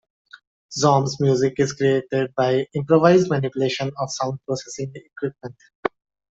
Xome's music is created by improvised manipulation of sound processing equipment.